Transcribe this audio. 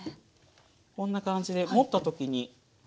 こんな感じで持った時に。